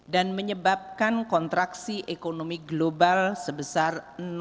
dan menyebabkan kontraksi ekonomi global sebesar sembilan